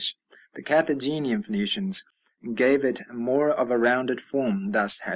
The Carthaginian Phoenicians gave it more of a rounded form, thus, ###